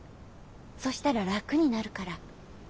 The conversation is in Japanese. そしたら楽になるから。